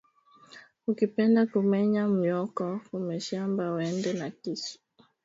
Ukipenda ku menya myoko ku mashamba wende na kisu